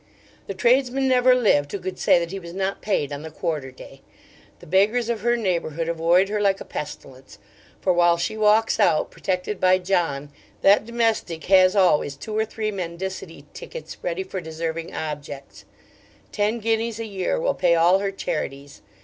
The tradesman never lived who could say that he was not paid on the quarter day. The beggars of her neighbourhood avoid her like a pestilence; for while she walks out, protected by John, that domestic has always two or three mendicity tickets ready for deserving objects. Ten guineas a year will pay all her charities.